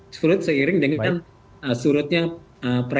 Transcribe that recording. surut seiring dengan surutnya perairan terbuka di utara jakarta